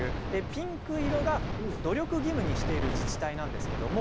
ピンク色が努力義務にしている自治体なんです。